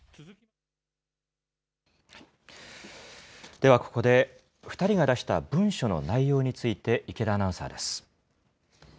では、ここで２人が出した文書の内容について、池田アナウンサーです。